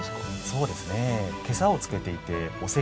そうですね。